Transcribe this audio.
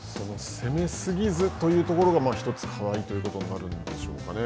攻め過ぎずというところが一つ課題ということになるんでしょうかね。